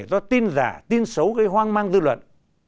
do tin giả tin xấu gây hoang mang dư luận